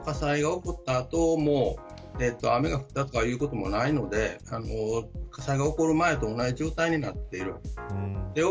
その火災が起こった後も雨が降ったとかいうこともないので火災が起こる前と同じ状態になっている。